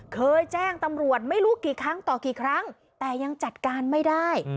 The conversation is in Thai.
เคยแจ้งตำรวจไม่รู้กี่ครั้งต่อกี่ครั้งแต่ยังจัดการไม่ได้